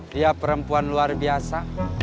dia perempuan luar biasa